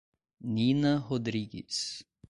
Nina Rodrigues